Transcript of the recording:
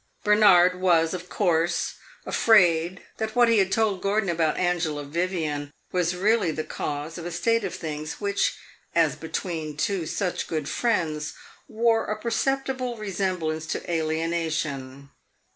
Bernard was, of course, afraid that what he had told Gordon about Angela Vivian was really the cause of a state of things which, as between two such good friends, wore a perceptible resemblance to alienation.